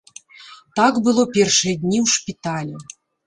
Так было першыя дні ў шпіталі.